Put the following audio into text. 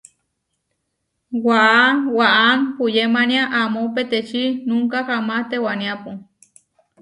Waʼá waʼám puyemánia amó peteči Núnka Hamás tewaniápu.